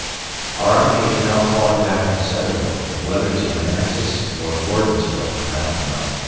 Our army is now falling back from Centreville, but whether to Manassas or Gordonsville I don't know.